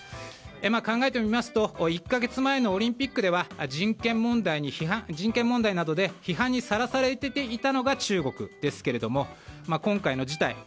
考えてみますと１か月前のオリンピックでは人権問題などで批判にさらされていたのが中国ですけど今回の事態